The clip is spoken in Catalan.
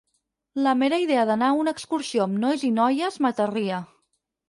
La mera idea d'anar a una excursió amb nois i noies m'aterria.